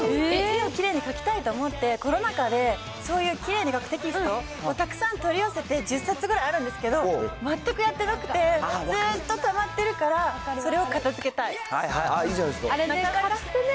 字をきれいに書きたいと思って、コロナ禍でそういうきれいに書くテキスト、たくさん取り寄せて、１０冊ぐらいあるんですけど、全くやってなくて、ずっとたまっていいじゃないですか。